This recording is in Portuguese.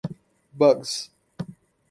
bugs